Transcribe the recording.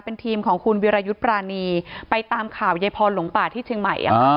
เป็นทีมของคุณวิรายุทธ์ปรานีไปตามข่าวยายพรหลงป่าที่เชียงใหม่